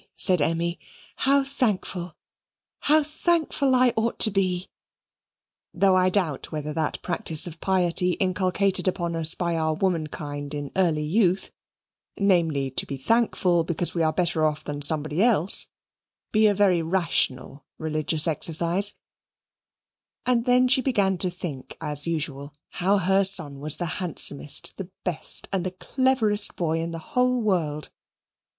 said Emmy. "How thankful, how thankful I ought to be"; (though I doubt whether that practice of piety inculcated upon us by our womankind in early youth, namely, to be thankful because we are better off than somebody else, be a very rational religious exercise) and then she began to think, as usual, how her son was the handsomest, the best, and the cleverest boy in the whole world.